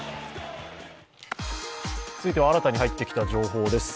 続いては新たに入ってきた情報です。